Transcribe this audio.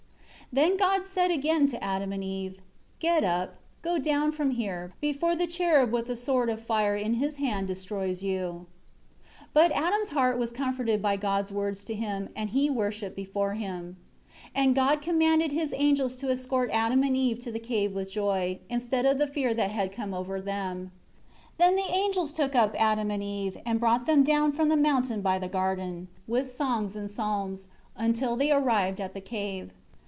8 Then God said again to Adam and Eve, "Get up, go down from here, before the cherub with a sword of fire in his hand destroys you." 9 But Adam's heart was comforted by God's words to him, and he worshipped before Him. 10 And God commanded His angels to escort Adam and Eve to the cave with joy, instead of the fear that had come over them. 11 Then the angels took up Adam and Eve, and brought them down from the mountain by the garden, with songs and psalms, until they arrived at the cave.